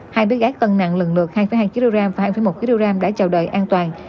hai bé gái cân nặng lần lượt hai hai kg và hai một kg đã chào đợi an toàn